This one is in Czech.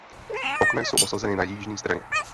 Okna jsou osazeny na jižní straně.